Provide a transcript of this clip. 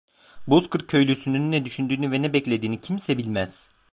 Bozkır köylüsünün ne düşündüğünü ve ne beklediğini kimse bilmez.